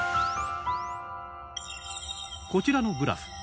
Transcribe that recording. こちらのグラフ。